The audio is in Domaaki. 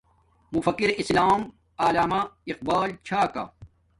مفکِر اسلام علامہ اقبال چھا کا